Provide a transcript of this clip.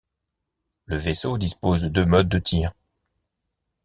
Le vaisseau dispose de deux modes de tir.